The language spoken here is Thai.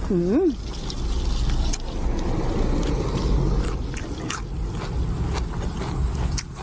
อื้อ